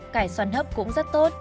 cải xoăn hấp cũng rất tốt